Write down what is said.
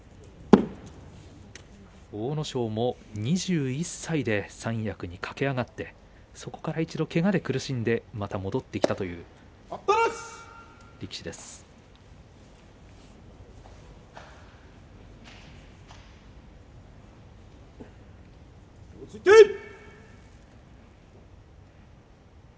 阿武咲も２１歳で三役に駆け上がってそこから一度、けがで苦しんでまた戻ってきたという力士です。